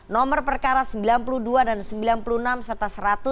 nomor perkara sembilan puluh dua dan sembilan puluh enam serta seratus